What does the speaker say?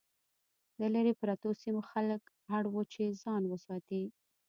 د لرې پرتو سیمو خلک اړ وو چې ځان وساتي.